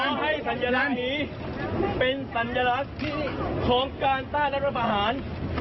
ให้สัญลักษณ์นี้เป็นสัญลักษณ์ของการต้านรัฐบาหาร